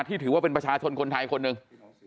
ถือว่าเป็นประชาชนคนไทยคนหนึ่ง